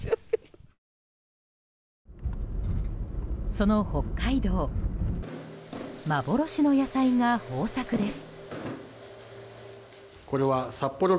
その北海道幻の野菜が豊作です。